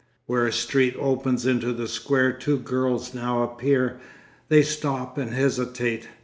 Where a street opens into the square two girls now appear; they stop and hesitate.